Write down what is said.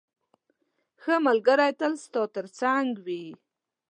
ښه ملګری تل ستا تر څنګ وي.